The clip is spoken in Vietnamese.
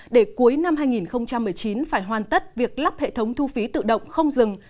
để cuối năm hai nghìn một mươi chín phải hoàn tất việc lắp hệ thống thu phí tự động không dừng